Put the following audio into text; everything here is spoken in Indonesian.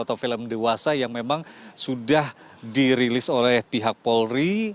atau film dewasa yang memang sudah dirilis oleh pihak polri